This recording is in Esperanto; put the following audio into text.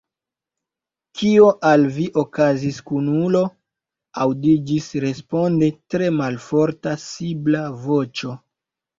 « Kio al vi okazis, kunulo?" Aŭdiĝis responde tre malforta sibla voĉo.